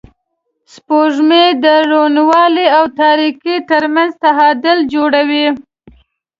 سپوږمۍ د روڼوالي او تاریکۍ تر منځ تعادل جوړوي